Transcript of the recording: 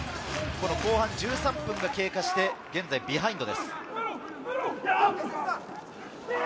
後半１３分が経過して、現在ビハインドです。